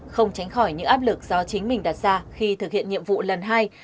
không tránh khỏi những áp lực do chính mình đặt ra khi thực hiện nhiệm vụ lần hai